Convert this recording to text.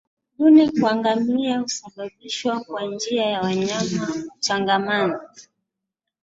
Ndui kwa ngamia husambazwa kwa njia ya wanyama kuchangamana